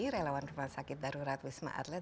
relawan rumah sakit darurat wisma atlet